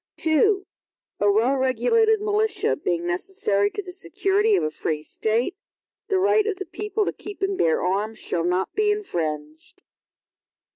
II A well regulated militia, being necessary to the security of a free State, the right of the people to keep and bear arms, shall not be infringed.